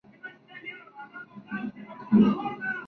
Desde entonces, el partido se ha consolidado en California.